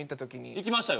行きましたよ。